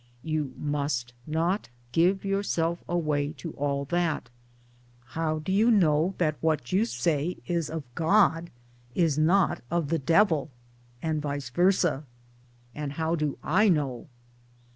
You must not give yourself away to all that. How do you know that what you say is of God is not of the Devil ; and vice versa? And how do / know?